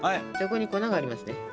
そこに粉がありますね？